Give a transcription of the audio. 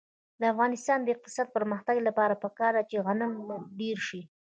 د افغانستان د اقتصادي پرمختګ لپاره پکار ده چې غنم ډېر شي.